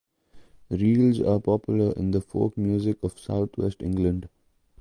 Reels are popular in the folk music of South West England.